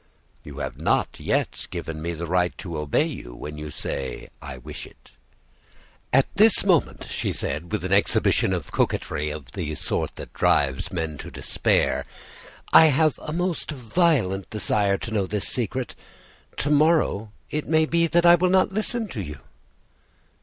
"You have not yet given me the right to obey you when you say, 'I wish it.'" "At this moment," she said, with an exhibition of coquetry of the sort that drives men to despair, "I have a most violent desire to know this secret. To morrow it may be that I will not listen to you."